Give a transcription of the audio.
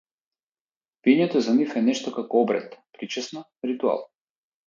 Пиењето за нив е нешто како обред, причесна, ритуал.